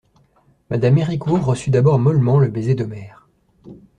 Mme Héricourt reçut d'abord mollement le baiser d'Omer.